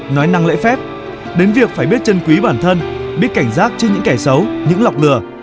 nói năng lễ phép đến việc phải biết chân quý bản thân biết cảnh giác trước những kẻ xấu những lọc lừa